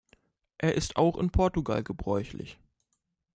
Er ist auch in Portugal gebräuchlich.